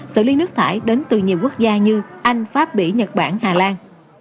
xử lý nước thải đến từ nhiều quốc gia như anh pháp bỉ nhật bản hà lan